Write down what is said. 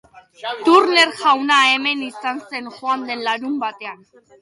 Turner jauna hemen izan zen joan den larunbatean...